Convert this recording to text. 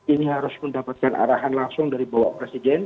ini harus mendapatkan arahan langsung dari bapak presiden